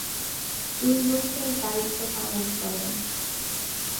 দুই বছর দায়িত্ব পালন করেন।